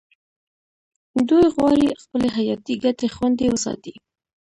دوی غواړي خپلې حیاتي ګټې خوندي وساتي